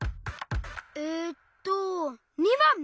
えっと２ばん？